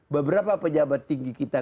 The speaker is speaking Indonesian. beberapa pejabat tinggi kita